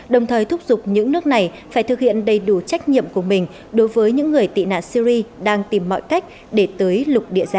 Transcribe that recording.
đồng thời thúc giục những nước này phải thực hiện đầy đủ trách nhiệm của mình đối với những người tị nạn syri đang tìm mọi cách để tới lục địa